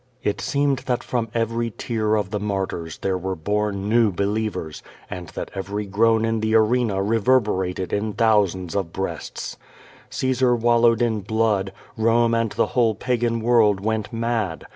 It seemed 49ii QtJO VADtS. that from every tear of the martyrs there were bom new be lievers, and that overv groan in the arena reverberated in thousands of breasts. Caesar wallowed in blood; Home t^nd the whole Pagan world went mad.